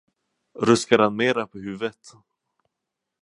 Ruskar han mera på huvudet?